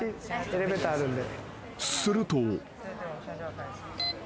［すると］